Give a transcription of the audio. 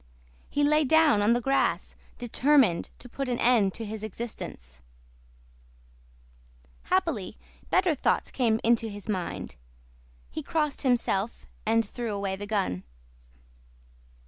He lay down on the grass determined to put an end to his existence; happily better thoughts came into his mind; he crossed himself, and threw away the gun.